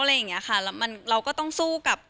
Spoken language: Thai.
เราก็ต้องสู้กับ